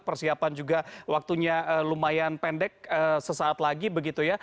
persiapan juga waktunya lumayan pendek sesaat lagi begitu ya